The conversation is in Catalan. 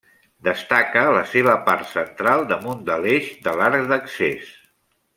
Destaca la seva part central damunt de l'eix de l'arc d'accés.